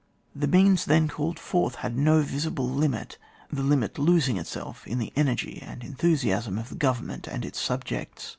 The means then called forth had no visible limit, the limit losing itself in the energy and enthusiasm of the Government and its subjects.